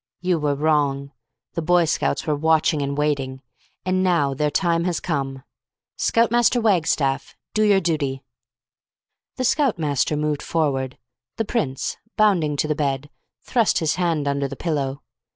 You were wrong. The Boy Scouts were watching and waiting. And now their time has come. Scout Master Wagstaff, do your duty." The Scout Master moved forward. The Prince, bounding to the bed, thrust his hand under the pillow.